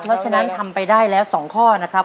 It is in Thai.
เพราะฉะนั้นทำไปได้แล้ว๒ข้อนะครับ